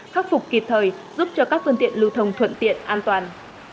khắc phục kịp thời giúp cho các phương tiện lưu thông thuận tiện an toàn